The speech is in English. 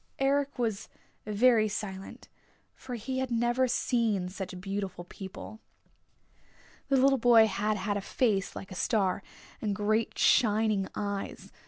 Eric was very silent, for he had never seen such beautiful people. The little boy had had a face like a star, and great shining eyes.